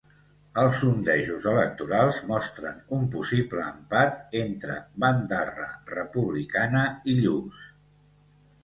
Els sondejos electorals mostren un possible empat entre bandarra republicana i lluç.